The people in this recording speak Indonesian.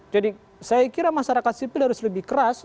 jadi saya kira masyarakat sipil harus lebih keras